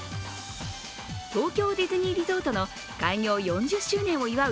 東京ディズニーリゾートの開業４０周年を祝う